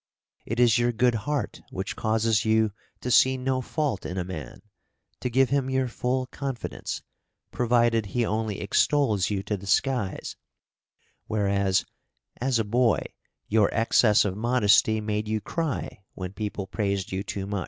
It is your good heart which causes you to see no fault in a man, to give him your full confidence, provided he only extols you to the skies; whereas, as a boy, your excess of modesty made you cry when people praised you too much.